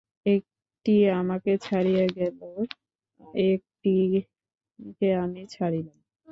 একটি আমাকে ছাড়িয়া গেল, একটিকে আমি ছাড়িলাম।